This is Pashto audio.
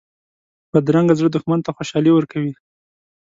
بدرنګه زړه دښمن ته خوشحالي ورکوي